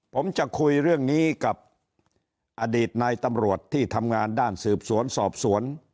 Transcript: ผมจะคุยเรื่องนี้กับอดีตนายตำรวจที่ทำงานด้านสืบสวนสอบสวน